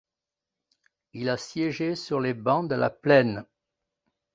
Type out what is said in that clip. Il a siégé sur les bancs de la Plaine.